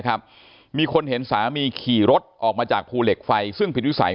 มีคนเห็นสามีขี่รถออกมาจากภูเหล็กไฟซึ่งผิดวิสัย